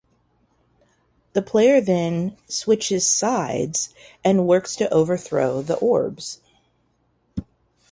The player then "switches sides" and works to overthrow the Orbs.